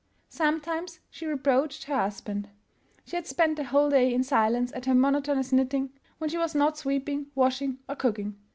Sometimes she reproached her husband. She had spent the whole day in silence at her monotonous knitting, when she was not sweeping, washing, or cooking.